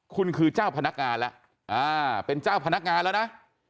คุณคือเจ้าพนักงานแล้วเป็นเจ้าพนักงานแล้วนะ